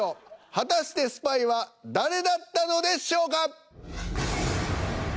果たしてスパイは誰だったのでしょうか？